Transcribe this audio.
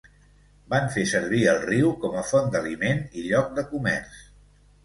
Van fer servir el riu com a font d'aliment i lloc de comerç.